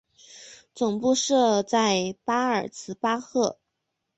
总部设在苏尔茨巴赫。